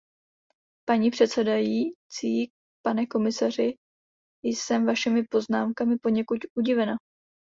Paní předsedající, pane komisaři, jsem vašimi poznámkami poněkud udivena.